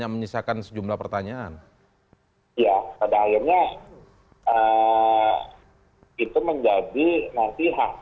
tapi seperti yang sudah